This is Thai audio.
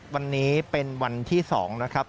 วันนี้เป็นวันที่๒นะครับ